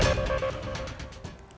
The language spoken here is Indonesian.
mengucapkan terima kasih